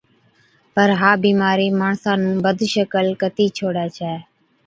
پر ها بِيمارِي ماڻسا نُون بد شڪل ڪتِي ڇوڙَي ڇَي۔